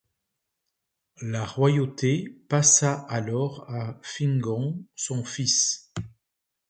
La royauté passa alors à Fingon son fils.